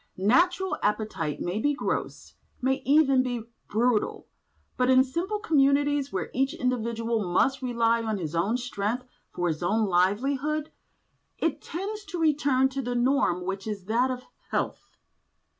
Natural appetite may be gross, may even be brutal, but in simple communities where each individual must rely on his own strength for his own livelihood, it tends to return to a norm which is that of health.